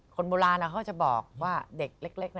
คนโบราณเขาจะบอกว่าเด็กเล็ก